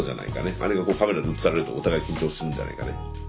あれがカメラで写されるとお互い緊張するんじゃないかね。